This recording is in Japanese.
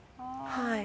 はい。